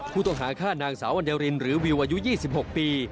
ผู้ต้องหาฆ่านางสาววัญญารินหรือวิวอายุ๒๖ปี